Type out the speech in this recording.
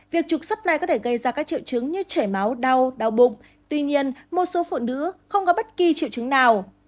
việc trục xuất này có thể gây ra các triệu chứng như chảy máu đau đau bụng tuy nhiên một số phụ nữ không có bất kỳ triệu chứng nào